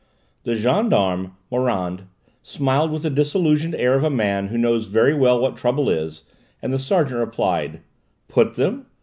The gendarme, Morand, smiled with the disillusioned air of a man who knows very well what trouble is, and the sergeant replied: "Put them?